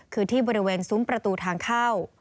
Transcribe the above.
คือที่บริเวณซุ้มประตูทางเข้า